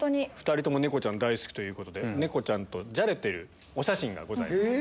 ２人とも猫ちゃん大好きということで猫ちゃんとじゃれてるお写真がございます。